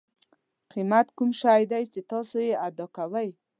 قیمت کوم شی دی چې تاسو یې ادا کوئ.